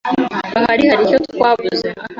Ahari haricyo twabuze.